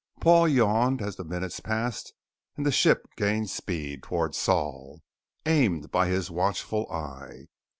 Paul yawned as the minutes passed and the ship gained speed towards Sol, aimed by his watchful eye.